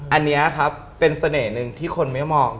อันนี้ครับเป็นเสน่ห์หนึ่งที่คนไม่มอง